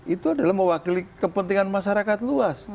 itu adalah mewakili kepentingan masyarakat luas